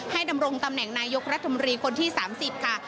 ดำรงตำแหน่งนายกรัฐมนตรีคนที่๓๐ค่ะ